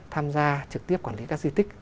tham gia trực tiếp quản lý các di tích